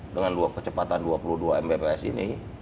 dengan kecepatan dua puluh dua mbps ini